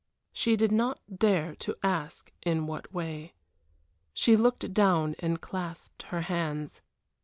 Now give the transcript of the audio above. She did not dare to ask in what way. She looked down and clasped her hands.